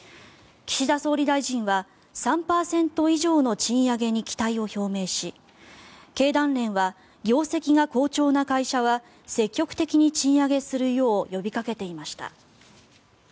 岸田総理大臣は３％以上の賃上げに期待を表明し経団連は、業績が好調な会社は積極的に賃上げするよう呼びかけていました。